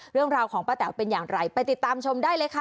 เรื่องราวของป้าแต๋วเป็นอย่างไรไปติดตามชมได้เลยค่ะ